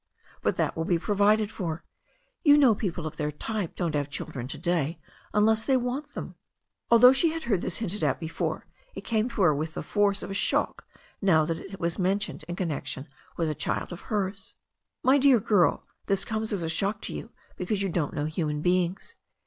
But that will be provided for. You know people of their type don't have children to day unless they want them." Although she had heard this hinted at before, it came to her with the force of a shock now that it was mentioned in connection with a child of hers. "My dear girl, this comes as a shock to you because you don't know human beings.